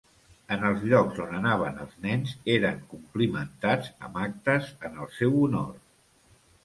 En els llocs on anaven els nens eren complimentats amb actes en el seu honor.